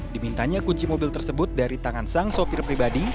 dimintanya kunci mobil tersebut dari tangan sang sopir pribadi